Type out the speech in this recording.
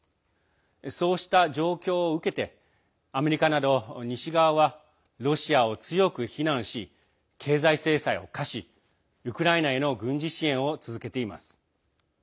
そうした状況を受けてアメリカなど西側はロシアを強く非難し経済制裁を科しウクライナへの軍事支援を続けています。